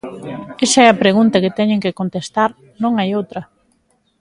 Esa é a pregunta que teñen que contestar, non hai outra.